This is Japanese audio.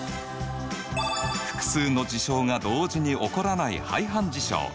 複数の事象が同時に起こらない排反事象。